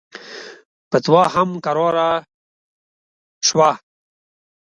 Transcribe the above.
فتوا هم کراره سوه.